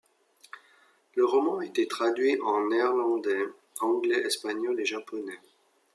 Le roman a été traduit en néerlandais, anglais, espagnol et japonais.